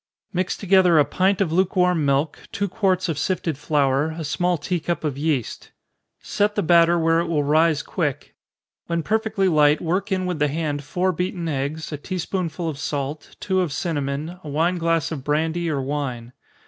_ Mix together a pint of lukewarm milk, two quarts of sifted flour, a small tea cup of yeast. Set the batter where it will rise quick. When perfectly light, work in with the hand four beaten eggs, a tea spoonful of salt, two of cinnamon, a wine glass of brandy or wine.